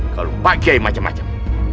kalau pak kiai macam macam